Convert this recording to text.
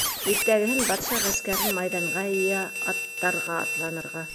Иртәгәһен батша ғәскәрен майҙанға йыя, аттарға атланырға